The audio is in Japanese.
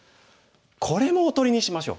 これもおとりにしましょう。